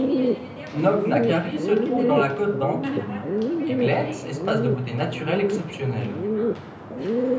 Knocknacarry se trouve dans la côte d'Antrim et Glens Espace de beauté naturelle exceptionnelle.